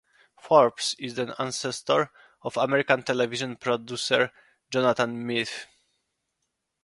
Forbes is the ancestor of American television producer Jonathan Meath.